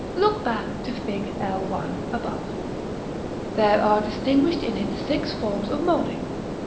Look back to Fig. LI., above. There are distinguished in it six forms of moulding.